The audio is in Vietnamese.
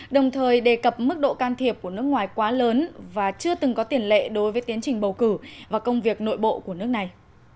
đồng thời đề cập mức độ can thiệp của nước ngoài quá lớn và chưa từng có tiền lệ đối với tiến trình bầu cử và công việc nội bộ của nước này